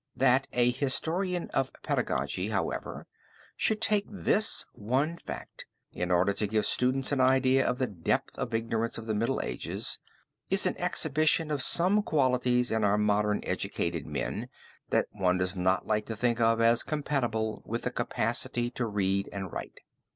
That a historian of pedagogy, however, should take this one fact in order to give students an idea of the depth of ignorance of the Middle Ages, is an exhibition of some qualities in our modern educated men, that one does not like to think of as compatible with the capacity to read and write.